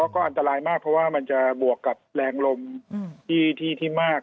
ก็อันตรายมากเพราะว่ามันจะบวกกับแรงลมที่มาก